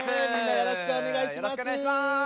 よろしくお願いします。